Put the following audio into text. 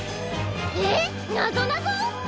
えっなぞなぞ！？